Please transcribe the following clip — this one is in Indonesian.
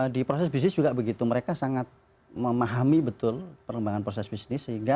di proses bisnis juga begitu mereka sangat memahami betul perkembangan proses bisnis